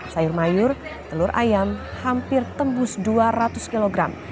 sayur mayur telur ayam hampir tembus dua ratus kg